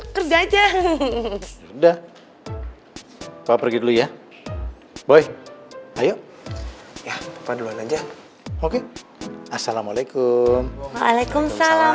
kerja aja udah coba pergi dulu ya boy ayo ya pak duluan aja oke assalamualaikum waalaikumsalam